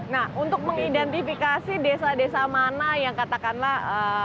nah untuk mengidentifikasi desa desa mana yang katakanlah